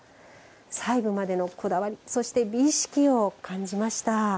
細部までのこだわりそして美意識を感じました。